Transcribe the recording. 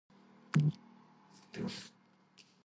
ეკლესიას გარს ერტყა რკინის ღობე.